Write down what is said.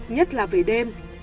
nhất là về đêm